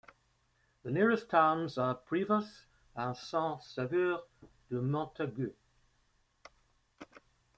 The nearest towns are Privas and Saint-Sauveur-de-Montagut.